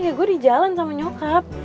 ya gue di jalan sama nyokap